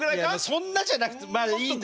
そんなじゃなくてもまあいいんだ。